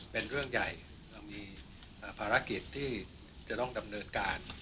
เป็นเรื่องใหญ่เรามีภารกิจที่จะต้องดำเนินการ